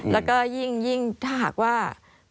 แล้วก็ยิ่งถ้าหากว่า